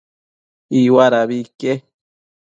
Iuadabi ique